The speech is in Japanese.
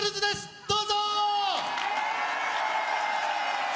どうぞ！